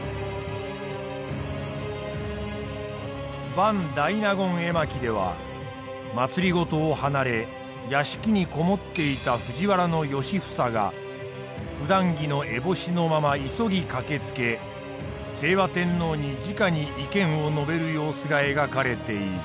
「伴大納言絵巻」では政を離れ屋敷に籠もっていた藤原良房がふだん着のえぼしのまま急ぎ駆けつけ清和天皇にじかに意見を述べる様子が描かれている。